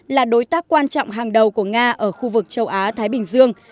là đối tác quan trọng hàng đầu của nga ở khu vực châu á thái bình dương